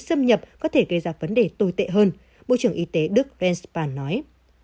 xâm nhập có thể gây ra vấn đề tồi tệ hơn bộ trưởng y tế đức vance spahn nói